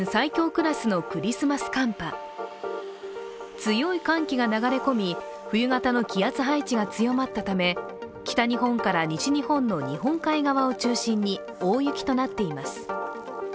強い寒気が流れ込み、冬型の気圧配置が強まったため、北日本から西日本の日本海側を中心に大雪となっています。